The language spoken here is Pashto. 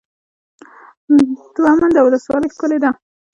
دوه منده ولسوالۍ ښکلې ده؟